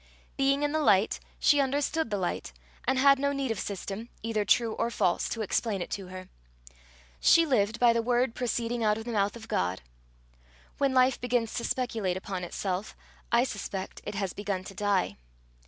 Being in the light she understood the light, and had no need of system, either true or false, to explain it to her. She lived by the word proceeding out of the mouth of God. When life begins to speculate upon itself, I suspect it has begun to die.